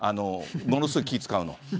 ものすごい気、遣うの。